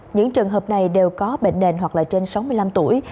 những trường hợp này đều có bệnh nền hoặc là trên sáu mươi năm tuổi